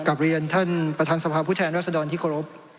กับเรียนท่านประธานศรภาพภูเทนรัฐษ์สะดอนที่ขอรพ